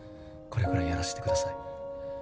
これぐらいやらせてください